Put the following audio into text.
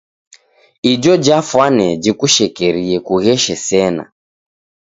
Ijo jafwane jikushekerie kugheshe sena.